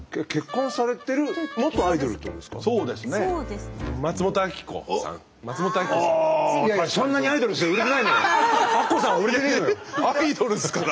アイドルっすから。